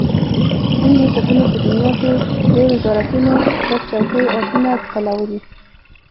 دوی د خوبونو په دنیا کې د وزارتونو پر چوکیو آسونه ځغلولي.